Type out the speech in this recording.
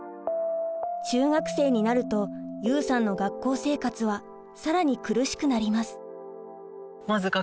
中学生になるとユウさんの学校生活は更に苦しくなります。